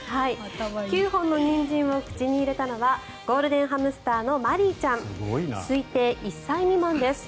９本のニンジンを口に入れたのはゴールデンハムスターのマリーちゃん。推定１歳未満です。